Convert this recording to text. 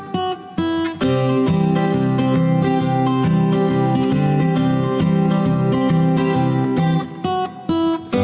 bismillahirrahmanirrahim built herb coat sekali